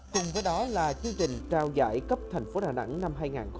cùng với đó là chương trình trao giải cấp thành phố đà nẵng năm hai nghìn một mươi chín